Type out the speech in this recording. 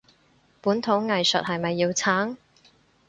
本土藝術係咪要撐？